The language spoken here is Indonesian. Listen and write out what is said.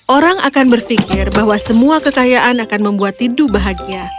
orang akan berpikir bahwa semua kekayaan akan membuat tidu bahagia